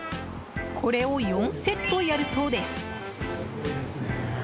これを４セットやるそうです。